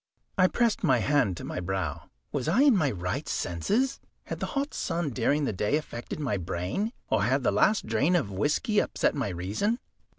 I pressed my hand to my brow. Was I in my right senses? Had the hot sun during the day affected my brain, or had the last drain of whisky upset my reason?